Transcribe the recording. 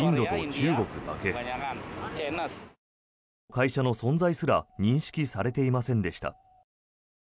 会社の存在すら認識されていませんでした。